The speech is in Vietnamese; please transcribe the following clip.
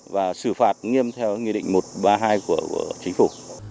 và xử phạt nghiêm theo nghị định một trăm ba mươi hai của chính phủ